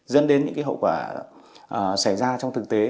dẫn đến những cái hậu quả xảy ra trong thực tế